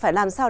phải làm sao